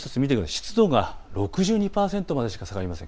湿度は６２％までしか下がりません。